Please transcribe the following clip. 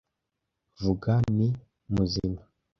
Vuga, ni muzima?